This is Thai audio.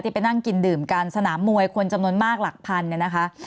ไปนั่งกินดื่มกันสนามมวยคนจำนวนมากหลักพันธุ์